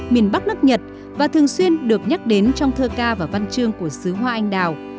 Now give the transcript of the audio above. miền bắc nước nhật và thường xuyên được nhắc đến trong thơ ca và văn chương của xứ hoa anh đào